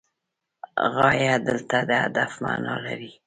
غایه دلته د هدف معنی لري.